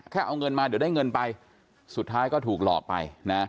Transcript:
เอาเงินมาเดี๋ยวได้เงินไปสุดท้ายก็ถูกหลอกไปนะ